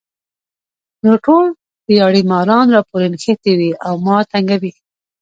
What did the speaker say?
نو ټول دیاړي ماران راپورې نښتي وي ـ او ما تنګوي